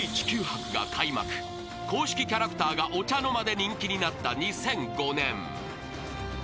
［公式キャラクターがお茶の間で人気になった２００５年］